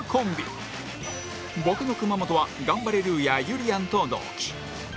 ボケの熊元はガンバレルーヤゆりやんと同期